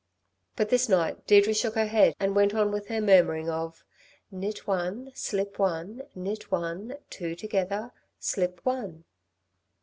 But this night Deirdre shook her head, and went on with her murmuring of: "Knit one, slip one, knit one, two together, slip one."